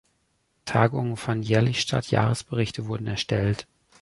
Tagungen fanden jährlich statt, Jahresberichte wurden erstellt.